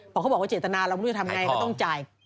เราไม่รู้จะทำยังไงก็ต้องจ่าย